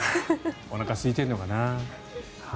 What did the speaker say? おなかすいてるのかな。